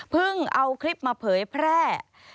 เพิ่งเอาคลิปมาเผยแพร่